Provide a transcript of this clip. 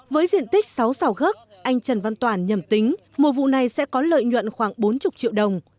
với diện tích sáu xào gốc anh trần văn toàn nhầm tính mùa vụ này sẽ có lợi nhuận khoảng bốn mươi triệu đồng